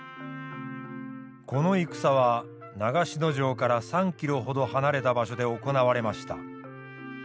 この戦は長篠城から３キロほど離れた場所で行われました。